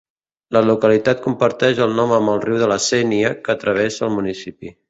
La localitat comparteix el nom amb el riu de la Sénia, que travessa el municipi.